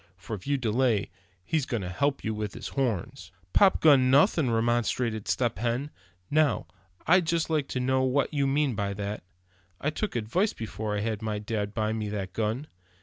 For if you delay, he's going to help you with his horns." "Popgun, nothing," remonstrated Step Hen; "now, I'd just like to know what you mean by that? I took advice before I had my dad buy me that gun.